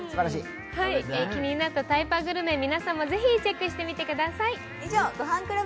気になったタイパグルメ、皆さんもぜひチェックしてみてください。